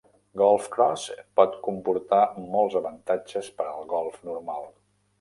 GolfCross pot comportar molts avantatges per al golf normal.